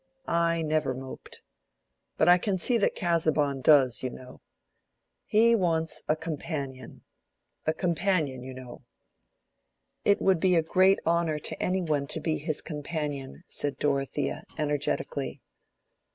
I never moped: but I can see that Casaubon does, you know. He wants a companion—a companion, you know." "It would be a great honor to any one to be his companion," said Dorothea, energetically.